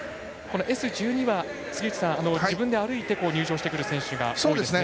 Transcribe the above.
Ｓ１２は、自分で歩いて入場してくる選手が多いですね。